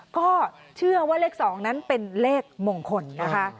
ก็เชื่อว่าเลข๒นั้นเป็นเลขมงคลนะคะ